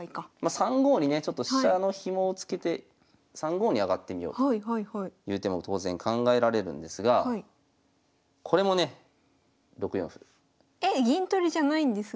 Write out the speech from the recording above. ３五にねちょっと飛車のヒモをつけて３五に上がってみようという手も当然考えられるんですがこれもね６四歩。え銀取りじゃないんですが。